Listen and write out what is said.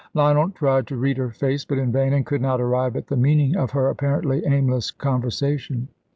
Lionel tried to read her face, but in vain, and could not arrive at the meaning of her apparently aimless conversation.